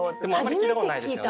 初めて聞いた！